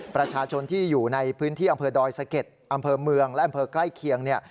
ประชาชนที่อยู่ในพื้นที่อำเภอดอยสะเก็ดอำเภอเมืองและอำเภอใกล้เคียงเนี่ย